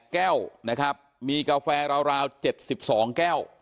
แก้วนะครับมีกาแฟราว๗๒แก้ว